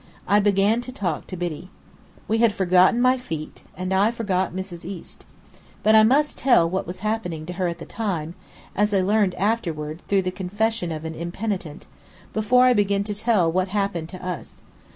I began to talk to Biddy. We had forgotten my feet; and I forgot Mrs. East. But I must tell what was happening to her at the time (as I learned afterward, through the confession of an impenitent), before I begin to tell what happened to us.